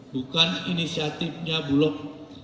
bukan inisiatifnya bulog